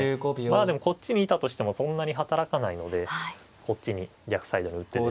でもこっちにいたとしてもそんなに働かないのでこっちに逆サイドに打っても。